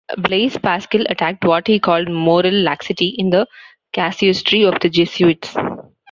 Blaise Pascal attacked what he called moral laxity in the casuistry of the Jesuits.